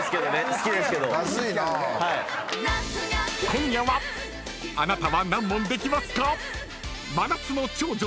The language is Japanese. ［今夜はあなたは何問できますか？］